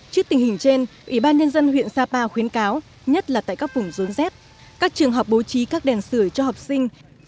trước tình hình trên ủy ban nhân dân huyện sapa khuyến cáo nhất là tại các vùng rốn dép các trường học bố trí các đèn sửa cho học sinh